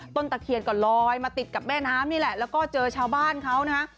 ตะเคียนก็ลอยมาติดกับแม่น้ำนี่แหละแล้วก็เจอชาวบ้านเขานะฮะ